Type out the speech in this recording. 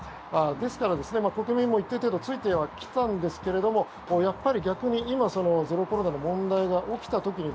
ですから国民も一定程度ついてはきたんですけれどもやっぱり逆に今ゼロコロナの問題が起きた時に